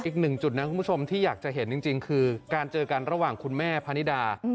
อีกหนึ่งจุดนะคุณผู้ชมที่อยากจะเห็นจริงคือการเจอกันระหว่างคุณแม่พนิดา